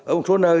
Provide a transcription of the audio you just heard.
ở một số nơi